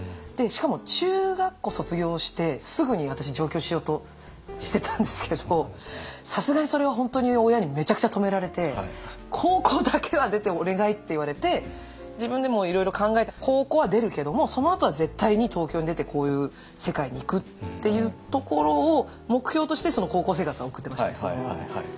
しかも中学校卒業してすぐに私上京しようとしてたんですけどさすがにそれは本当に親にめちゃくちゃ止められて「高校だけは出てお願い」って言われて自分でもいろいろ考えて高校は出るけどもそのあとは絶対に東京に出てこういう世界に行くっていうところを目標として高校生活は送ってましたね。